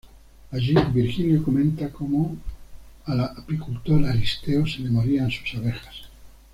Allí Virgilio comenta cómo al apicultor Aristeo se le morían sus abejas.